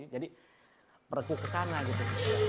jadi merekrut kesana gitu